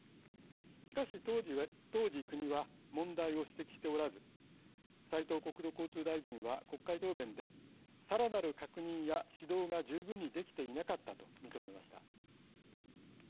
しかし、当時国は問題を指摘をしておらず斉藤国土交通大臣は国会答弁で「さらなる確認や指導が十分にできていなかった」と認めました。